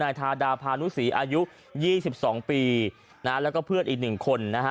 นายทาดาพานุษีอายุ๒๒ปีแล้วก็เพื่อนอีกหนึ่งคนนะฮะ